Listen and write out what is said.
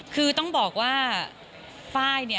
คือต้องบอกว่าฝ้ายนี่